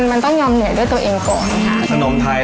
แต่ถ้านอนซีพุงอยู่บ้านเฉยมันก็ไม่เกิดอะไรขึ้น